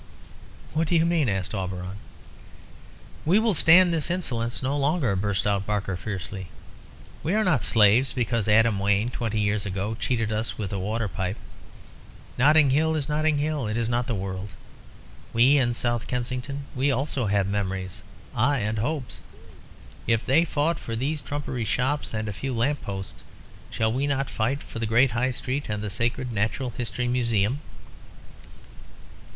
"What do you mean?" asked Auberon. "We will stand this insolence no longer," burst out Barker, fiercely. "We are not slaves because Adam Wayne twenty years ago cheated us with a water pipe. Notting Hill is Notting Hill; it is not the world. We in South Kensington, we also have memories ay, and hopes. If they fought for these trumpery shops and a few lamp posts, shall we not fight for the great High Street and the sacred Natural History Museum?"